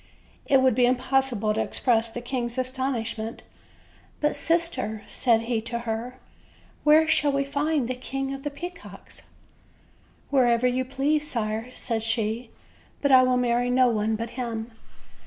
It would be impossible to express the king's astonish ment. "But, sister/' said he to her, "where shall we find the King of the Peacocks?" "Wherever you please, sire," said she; "but I will marry no one but him."